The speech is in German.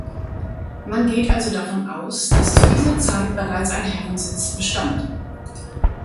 Man geht also davon aus, dass zu dieser Zeit bereits ein Herrensitz bestand.